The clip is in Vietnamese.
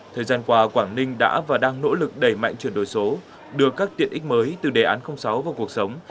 thời gian qua quảng ninh đã và đang nỗ lực đẩy mạnh chuyển đổi số đưa các tiện ích mới từ đề án sáu vào cuộc sống